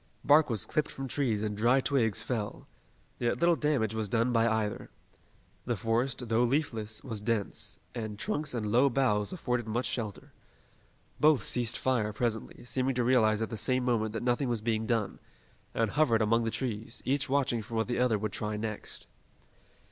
Bark was clipped from trees and dry twigs fell. Yet little damage was done by either. The forest, although leafless, was dense, and trunks and low boughs afforded much shelter. Both ceased fire presently, seeming to realize at the same moment that nothing was being done, and hovered among the trees, each watching for what the other would try next.